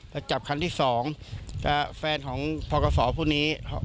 แล้วจับครั้งที่สองแฟนของพ่อกษผู้นี้